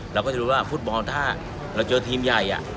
เราก็จะรู้ว่าฟุตบอลถ้าเราเจอทีมใหญ่